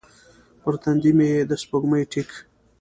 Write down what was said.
پر تندې مې د سپوږمۍ ټیک